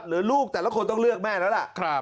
หรือลูกแต่ละคนต้องเลือกแม่แล้วล่ะ